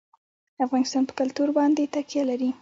افغانستان په کلتور باندې تکیه لري.